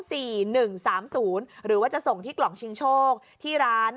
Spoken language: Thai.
สี่หนึ่งสามศูนย์หรือว่าจะส่งที่กล่องชิงโชคที่ร้าน